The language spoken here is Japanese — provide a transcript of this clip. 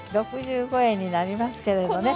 ６５円になりますけれども。